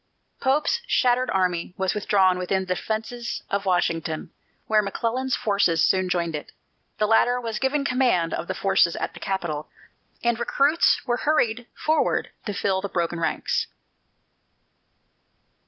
Pope's shattered army was withdrawn within the defences of Washington, where McClellan's forces soon joined it. The latter was given command of the forces at the capital, and recruits were hurried forward to fill the broken ranks.